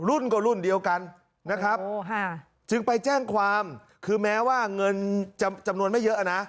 รุ่นก็รุ่นเดียวกันนะครับจึงไปแจ้งความคือแม้ว่าเงินจำนวนไม่เยอะนะ